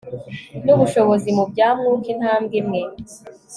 nubushobozi mu bya Mwuka Intambwe imwe